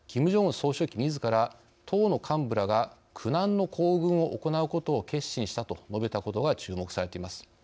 総書記みずから党の幹部らが苦難の行軍を行うことを決心したと述べたことが注目されています。